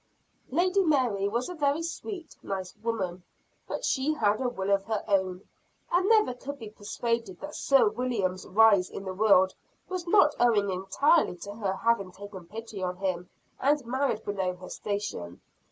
Lady Mary was a very sweet, nice woman; but she had a will of her own, and never could be persuaded that Sir William's rise in the world was not owing entirely to her having taken pity on him, and married below her station.